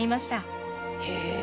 へえ